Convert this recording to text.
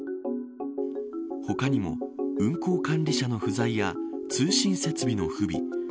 他にも、運航管理者の不在や通信設備の不備